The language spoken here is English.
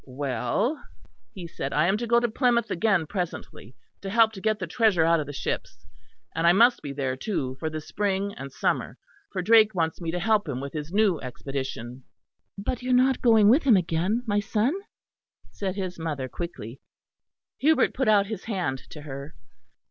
"Well," he said, "I am to go to Plymouth again presently, to help to get the treasure out of the ships; and I must be there, too, for the spring and summer, for Drake wants me to help him with his new expedition." "But you are not going with him again, my son?" said his mother quickly. Hubert put out his hand to her.